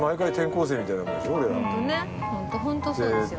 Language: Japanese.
ホントねホントそうですよ。